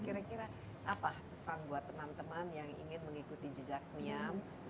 kira kira apa pesan buat teman teman yang ingin mengikuti jejak niam